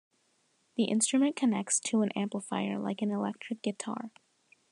The instrument connects to an amplifier like an electric guitar.